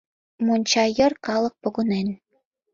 Монча йыр калык погынен.